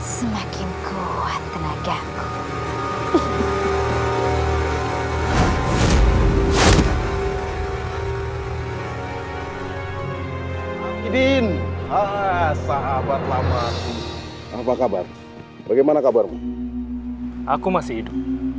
semakin kuat tenagaku